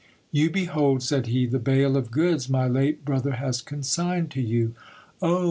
You behold, said he, the bale of goods my late brother has consigned to you. Oh